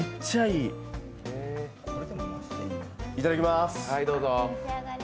いただきまーす。